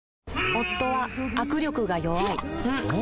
夫は握力が弱い